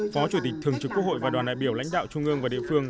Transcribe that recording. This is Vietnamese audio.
phó chủ tịch thường trực quốc hội và đoàn đại biểu lãnh đạo trung ương và địa phương